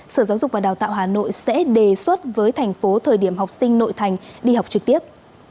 sở giáo dục và đào tạo hà nội sẽ đề xuất với thành phố thời điểm học sinh nội thành đi học trực tiếp